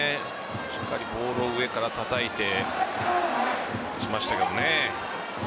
しっかりボールを上からたたいて打ちましたけどね。